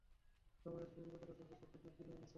সবাই আসলে বিপদের আশংকায় সবকিছু কিনে রাখছে!